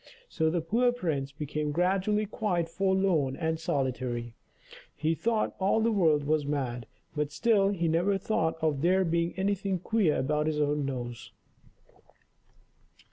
So the poor prince became gradually quite forlorn and solitary; he thought all the world was mad, but still he never thought of there being anything queer about his own nose.